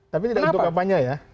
tapi tidak untuk kampanye ya